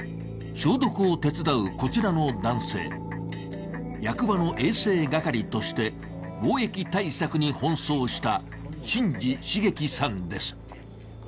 消毒を手伝うこちらの男性、役場の衛生係として防疫対策に奔走した進士薫輝さんです。